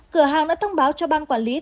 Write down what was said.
cửa hàng đã thông báo cho ban quản lý